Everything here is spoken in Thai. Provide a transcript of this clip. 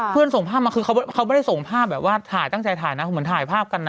ส่งภาพมาคือเขาไม่ได้ส่งภาพแบบว่าถ่ายตั้งใจถ่ายนะเหมือนถ่ายภาพกันนะ